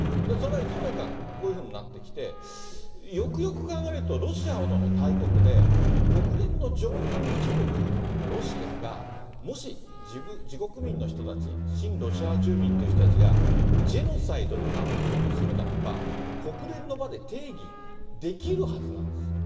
それがいつの間にかこういうふうになってきて、よくよく考えると、ロシアほどの大国で、国連の常任理事国のロシアが、もし自国民の人たち、親ロシア派住民という人たちが、ジェノサイドにあってるとするならば、国連の場で提議できるはずなんです。